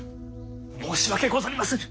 申し訳ござりませぬ！